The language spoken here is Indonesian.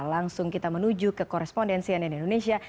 langsung kita menuju ke korespondensi ann indonesia